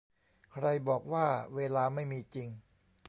ใครบอกว่าเวลาไม่มีจริง